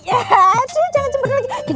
aduh jangan cepet lagi